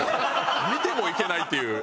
見てもいけないっていう。